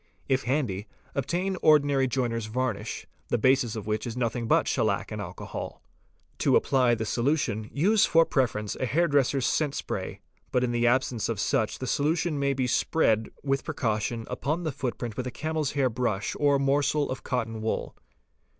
If handy, obtain ordinary joiner's varnish, the basis of which is nothing but shellac and alcohol. To apply this solution, use for preference a hairdresser's scent spray, but in the absence of such the solution may be spread with precaution upon the footprint with a camel's hair brush or morsel of cotton wool.